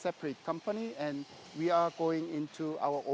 sekarang kami adalah perusahaan yang berbeda